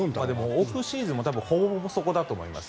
オープンシーズンもほぼほぼそこだと思います。